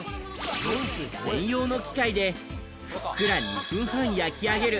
専用の機械でふっくら２分半焼き上げる。